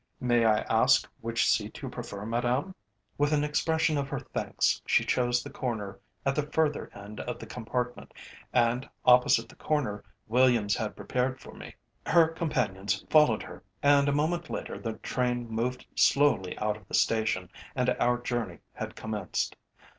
May I ask which seat you prefer, madame?" With an expression of her thanks she chose the corner at the further end of the compartment, and opposite the corner Williams had prepared for me. Her companions followed her, and a moment later the train moved slowly out of the station and our journey had commenced.